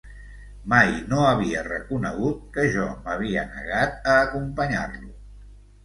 Mai no ho havia reconegut que jo m'havia negat a acompanyar-lo.